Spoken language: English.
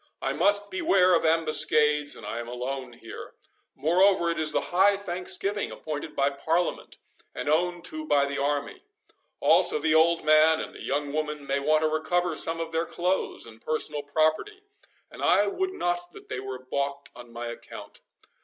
"I must beware of ambuscades, and I am alone here. Moreover, it is the High Thanksgiving appointed by Parliament, and owned to by the army—also the old man and the young woman may want to recover some of their clothes and personal property, and I would not that they were baulked on my account.